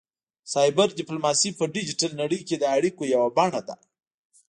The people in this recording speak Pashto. سایبر ډیپلوماسي په ډیجیټل نړۍ کې د اړیکو یوه بڼه ده